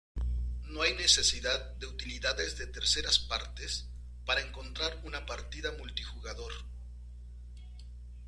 No hay necesidad de utilidades de terceras partes para encontrar una partida multijugador.